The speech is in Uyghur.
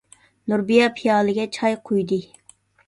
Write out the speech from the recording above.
نۇربىيە پىيالىگە چاي قۇيدى.